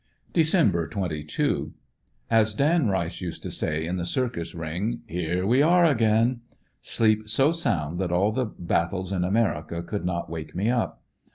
Dec. 22. — As Dan Rice used to say in the circus ring: *'Here we are again. " Sleep so sound that all the battles in America could not wake me up.